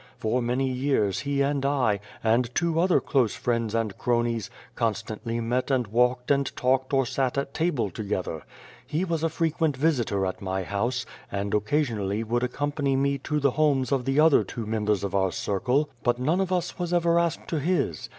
For many years he and I, and two other close friends and cronies, constantly met and walked and talked or sat at table together. He was a frequent visitor at my house, and occasionally would accompany me to the homes of the other two members of our circle ; but none of us was ever asked to his.